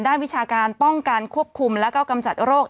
ด้านวิชาการป้องการควบคุมและก่อกำจัดโรค